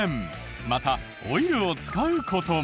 また「老いる」を使う事も。